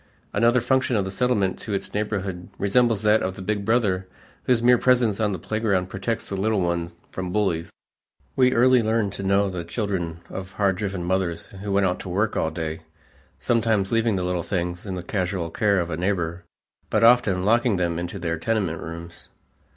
Another function of the Settlement to its neighborhood resembles that of the big brother whose mere presence on the playground protects the little one from bullies. We early learned to know the children of hard driven mothers who went out to work all day, sometimes leaving the little things in the casual care of a neighbor, but often locking them into their tenement rooms.